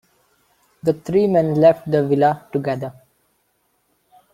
The three men left the Villa together.